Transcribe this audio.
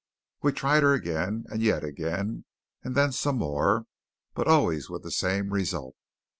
We tried her again: and yet again; and then some more; but always with the same result.